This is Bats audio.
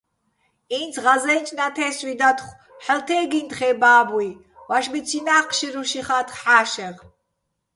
ი́ნც ღაზე́ნჭ ნათე́სვი დათხო̆, ჰ̦ალო̆ თე́გიჼ თხეჼ ბა́ბუჲ, ვაშბიცინა́ ჴშირუშ იხათხ ჰ̦ა́შეღ.